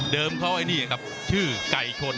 เดิมเขาอันนี้ครับชื่อไก่ชน